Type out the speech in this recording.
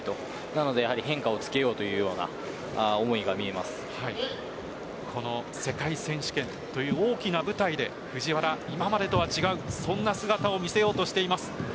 なので、変化をつけようというような思いが世界選手権という大きな舞台で藤原、今までとは違うそんな姿を見せようとしています。